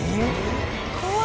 怖い。